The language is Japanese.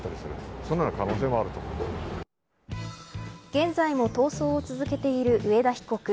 現在も逃走を続けている上田被告。